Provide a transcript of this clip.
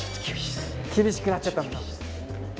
厳しくなっちゃったんだ。